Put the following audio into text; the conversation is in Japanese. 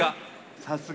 さすが。